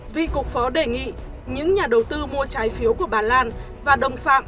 vì cục phó đề nghị những nhà đầu tư mua trái phiếu của bà lan và đồng phạm